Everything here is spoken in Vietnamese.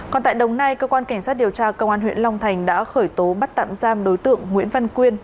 còn tại đồng nai cơ quan cảnh sát điều tra công an huyện long thành đã khởi tố bắt tạm giam đối tượng nguyễn văn quyên